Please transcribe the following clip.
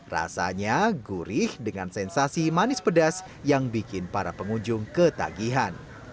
rasanya gurih dengan sensasi manis pedas yang bikin para pengunjung ketagihan